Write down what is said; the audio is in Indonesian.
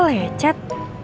tangan pangeran kok lecet